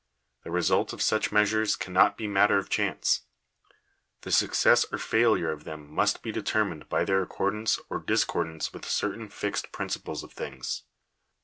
The result of such measures cannot be matter of chance. The success or failure of them must be determined by their accordance or discordance with certain fixed principles of things.